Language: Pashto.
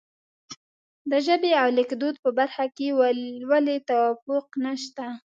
د ژبې او لیکدود په برخه کې ولې توافق نشته.